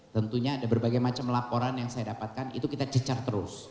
tentunya ada berbagai macam laporan yang saya dapatkan itu kita cecar terus